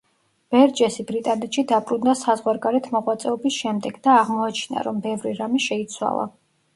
ბერჯესი ბრიტანეთში დაბრუნდა საზღვარგარეთ მოღვაწეობის შემდეგ და აღმოაჩინა, რომ ბევრი რამე შეიცვალა.